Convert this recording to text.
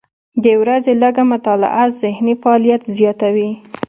د ورځې لږه مطالعه ذهني فعالیت زیاتوي.